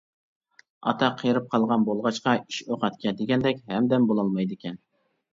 ئاتا قېرىپ قالغان بولغاچقا، ئىش-ئوقەتكە دېگەندەك ھەمدەم بولالمايدىكەن.